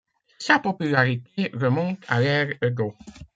Sa popularité remonte à l'ère Edo.